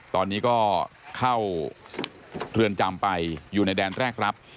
ตอนนี้ก็เข้าเรือนจำไปอยู่ในแดนแรกรับ